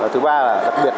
thứ ba là đặc biệt